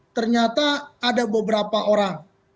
ternyata ada beberapa orang